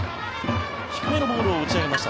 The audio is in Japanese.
低めのボールを打ち上げました。